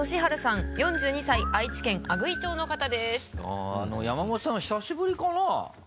あっ山本さんは久しぶりかな？